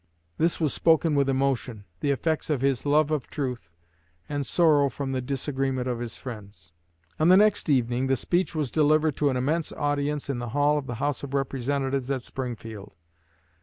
This was spoken with emotion the effects of his love of truth, and sorrow from the disagreement of his friends." On the next evening the speech was delivered to an immense audience in the hall of the House of Representatives at Springfield.